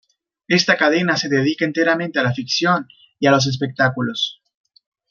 Esta cadena se dedica enteramente a la ficción y a los espectáculos.